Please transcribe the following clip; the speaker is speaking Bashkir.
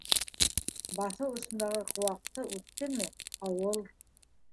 Баҫыу осондағы кыуаҡты үттеме - ауыл.